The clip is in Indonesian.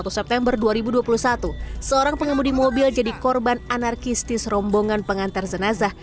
satu september dua ribu dua puluh satu seorang pengemudi mobil jadi korban anarkistis rombongan pengantar jenazah